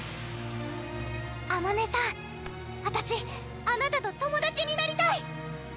あまねさんあたしあなたと友達になりたい！